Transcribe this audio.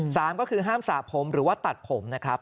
สามก็คือห้ามสระผมหรือว่าตัดผมนะครับ